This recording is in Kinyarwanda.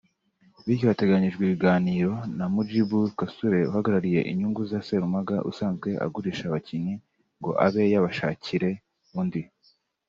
Bityo hateganijwe ibiganiro na Mujib Kaasure uhagarariye inyungu za Sserumaga usanzwe agurisha abakinnyi ngo abe yabashakire undi